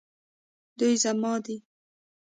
دوی زما دي